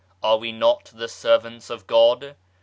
Are we not the Servants of God